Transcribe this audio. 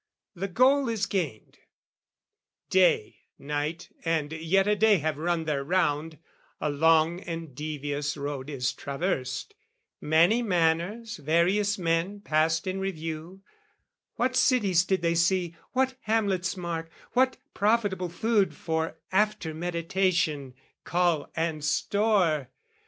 The goal is gained: day, night and yet a day Have run their round: a long and devious road Is traversed, many manners, various men Passed in review, what cities did they see, What hamlets mark, what profitable food For after meditation cull and store!